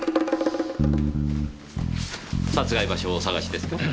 殺害場所をお探しですか？